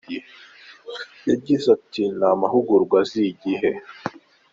Yagize ati “Ni amahugurwa aziye igihe.